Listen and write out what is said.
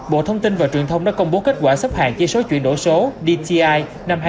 bộ thông tin và truyền thông đã công bố kết quả sắp hàng với số chuyển đổi số dti